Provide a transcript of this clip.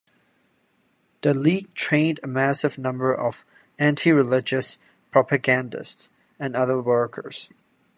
The League trained a massive number of antireligious propagandists and other workers.